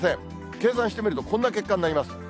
計算してみると、こんな結果になります。